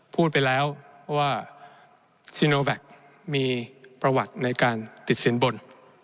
พูดไปแล้วว่าซีโนแวคมีประวัติในการติดสินบน